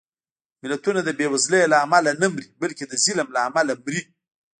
ملتونه د بېوزلۍ له امله نه مري، بلکې د ظلم له امله مري